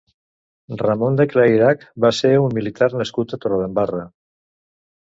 Ramón de Clairac va ser un militar nascut a Torredembarra.